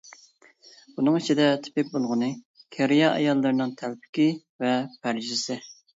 بۇنىڭ ئىچىدە تىپىك بولغىنى، كېرىيە ئاياللىرىنىڭ تەلپىكى ۋە پەرىجىسى.